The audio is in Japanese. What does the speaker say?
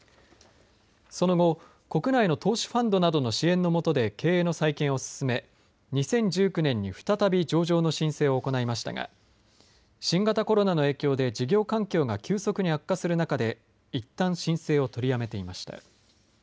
その後、国内の投資ファンドなどの支援の下で経営の再建を進め２０１９年に再び上場の申請を行いましたが新型コロナの影響で事業環境が急速に悪化する中でいったん申請を取りやめていました。